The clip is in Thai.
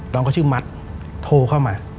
น้องเขาชื่อมัดโทรเข้ามา